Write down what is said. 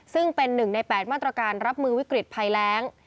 ซึ่งเป็น๑ใน๘มาตรการรับมือวิกฤตภัยแรง